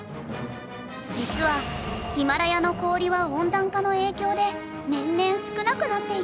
実はヒマラヤの氷は温暖化の影響で年々少なくなっていて。